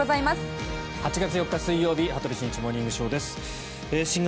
８月４日、水曜日「羽鳥慎一モーニングショー」。